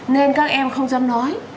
nên các em không dám nói